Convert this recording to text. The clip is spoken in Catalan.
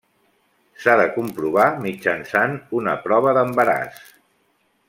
S'ha de comprovar mitjançant una prova d'embaràs.